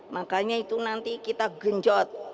makanya itu nanti kita genjot